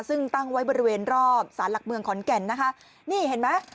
ซึ่งตั้งไว้บริเวณรอบสารหลักเมืองขอนแก่นนะคะนี่เห็นไหม